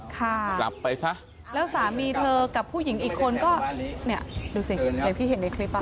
ค่ะแล้วสามีเธอกับผู้หญิงอีกคนก็นี่ดูสิเห็นในคลิปป่ะ